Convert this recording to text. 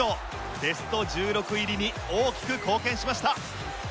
ベスト１６入りに大きく貢献しました。